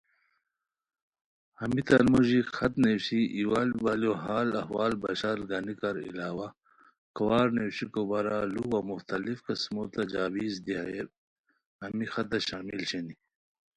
ہمیتان موژی خط نیویشی ایوال ایوالیو حال احوالو بشار گانیکار علاوہ کھوار نیویشیکو بارا لُو وا مختلف قسمو تجاویز دی ہمی خطہ شامل شینی